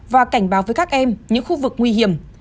và cảnh báo với các em những khu vực nguy hiểm